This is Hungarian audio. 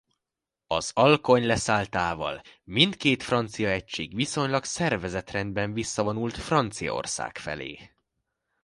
Az alkony leszálltával mindkét francia egység viszonylag szervezett rendben visszavonult Franciaország felé.